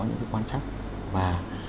những cái quan trắc và